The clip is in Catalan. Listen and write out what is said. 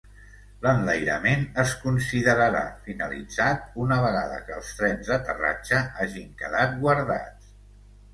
L'enlairament es considerarà finalitzat una vegada que els trens d'aterratge hagin quedat guardats.